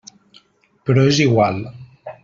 Però és igual.